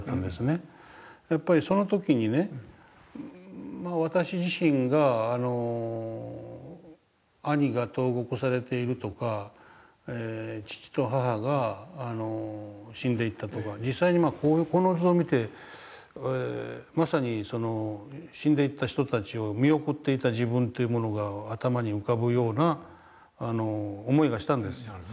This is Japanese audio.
やっぱりその時にね私自身が兄が投獄されているとか父と母が死んでいったとか実際にこの図を見てまさに死んでいった人たちを見送っていた自分というものが頭に浮かぶような思いがしたんですよ。